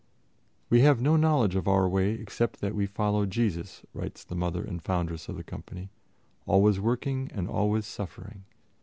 "We have no knowledge of our way except that we follow Jesus," writes the Mother and Foundress of the company, "always working and always suffering.